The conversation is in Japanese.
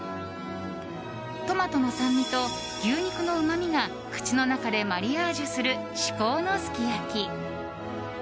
トマトの酸味と牛肉のうまみが口の中でマリアージュする至高のすき焼き。